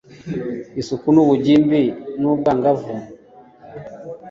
isuku n ubugimbiubwangavu